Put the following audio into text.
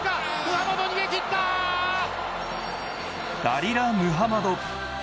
ダリラ・ムハマド。